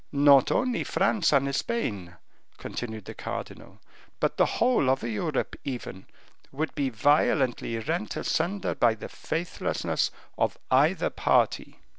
"Not only France and Spain," continued the cardinal, "but the whole of Europe even, would be violently rent asunder by the faithlessness of either party."